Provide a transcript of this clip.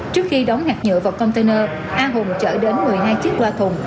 trước khi đóng hạt nhựa vào container a hùng chở đến một mươi hai chiếc loa thùng